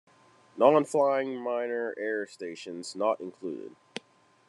Non-flying minor Air Stations not included.